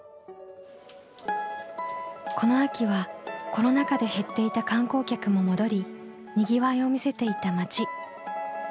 この秋はコロナ禍で減っていた観光客も戻りにぎわいを見せていた町。